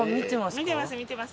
見てます。